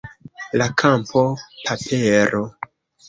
La kampo, papero